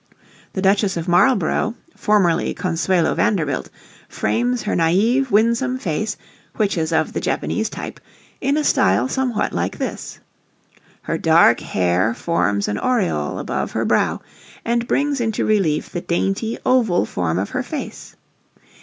The Duchess of Marlborough, formerly Consuelo Vanderbilt, frames her naïve, winsome face, which is of the Japanese type, in a style somewhat like this. Her dark hair forms an aureole above her brow, and brings into relief the dainty, oval form of her face.